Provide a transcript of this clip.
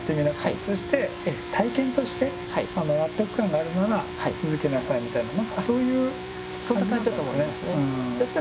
そして体験として納得感があるなら続けなさいみたいな何かそういう感じだったんですかね。